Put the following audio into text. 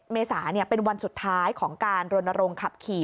เมษาเป็นวันสุดท้ายของการรณรงค์ขับขี่